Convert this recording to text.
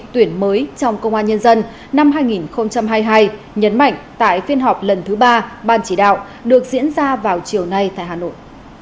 tuyển mới trong công an nhân dân năm hai nghìn hai mươi hai nhấn mạnh tại phiên họp lần thứ ba ban chỉ đạo được diễn ra vào chiều nay tại hà nội